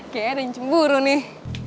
kayaknya ada yang cemburu nih